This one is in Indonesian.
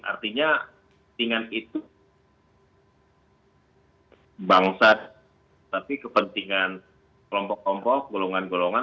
artinya kepentingan itu bangsa tapi kepentingan kelompok kelompok golongan golongan